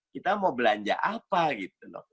kita mau belanja apa gitu loh